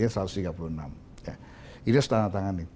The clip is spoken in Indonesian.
ini harus ditandatangani